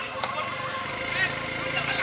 kau ngerti gua